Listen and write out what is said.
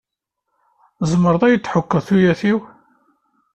Tzemreḍ ad yi-d-tḥukkeḍ tuyat-iw?